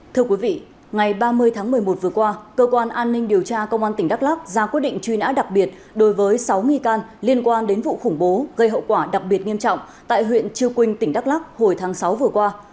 thưa quý vị ngày ba mươi tháng một mươi một vừa qua cơ quan an ninh điều tra công an tỉnh đắk lắc ra quyết định truy nã đặc biệt đối với sáu nghi can liên quan đến vụ khủng bố gây hậu quả đặc biệt nghiêm trọng tại huyện chư quynh tỉnh đắk lắc hồi tháng sáu vừa qua